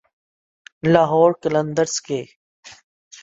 لاہور قلندرز کے